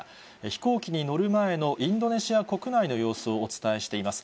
飛行機に乗る前のインドネシア国内の様子をお伝えしています。